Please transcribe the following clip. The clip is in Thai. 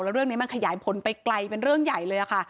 แล้วเรื่องนี้มันขยายผลไปไกลเป็นเรื่องใหญ่เลยค่ะ